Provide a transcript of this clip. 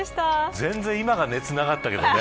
全然、今の熱がなかったけどね。